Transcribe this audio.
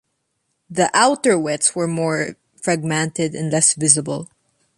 The "outer" wets were more fragmented and less visible.